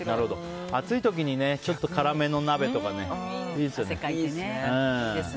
暑い時に辛めの鍋とかいいですよね。